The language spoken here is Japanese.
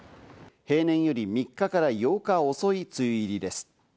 平年より３日から８日遅い梅雨入りです。